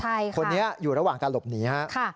คนนี้อยู่ระหว่างการหลบหนีฮะ